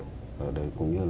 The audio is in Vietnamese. cũng như là chúng ta vượt qua